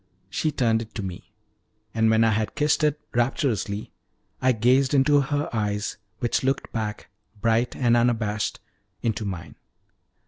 She turned it to me, and when I had kissed it rapturously, I gazed into her eyes, which looked back, bright and unabashed, into mine.